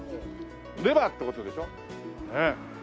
レバーって事でしょ。